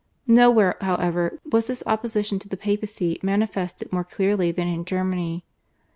Nowhere, however, was this opposition to the Papacy manifested more clearly than in Germany.